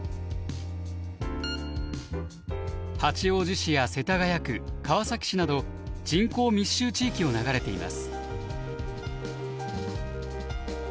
八王子市や世田谷区川崎市など人口密集地域を流れています。